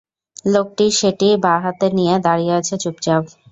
লোকটি সেটি বাঁ হাতে নিয়ে দাঁড়িয়ে আছে চুপচাপ।